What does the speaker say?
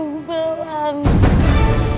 ibu menjual kamu juga